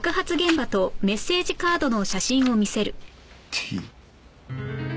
Ｔ。